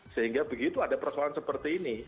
sehingga begitu ada persoalan seperti ini